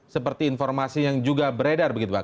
seperti informasi yang juga beredar begitu pak